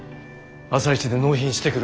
朝一で納品してくる。